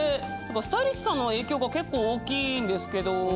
スタイリストさんの影響が結構大きいんですけど。